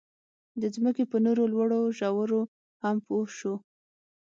د ځمکې په نورو لوړو ژورو هم پوه شو.